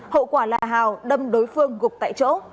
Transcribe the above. hậu quả là hào đâm đối phương gục tại chỗ